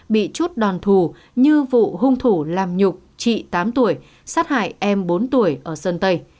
bị chút đòn thù như vụ hung thủ làm nhục chị tám tuổi sát hại em bốn tuổi ở sơn tây